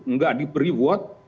nggak diberi avot